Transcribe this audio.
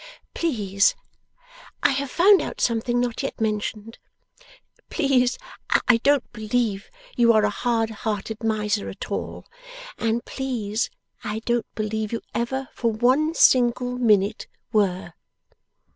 'Please I have found out something not yet mentioned. Please I don't believe you are a hard hearted miser at all, and please I don't believe you ever for one single minute were!